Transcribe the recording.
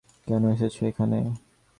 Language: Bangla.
কেন এসেছ এখানে?